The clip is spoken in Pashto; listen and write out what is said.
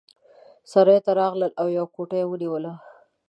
سرای ته راغلل او یوه کوټه یې ونیوله.